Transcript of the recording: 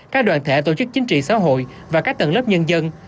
các đoàn thể tổ chức chính trị xã hội và các tầng lớp nhân dân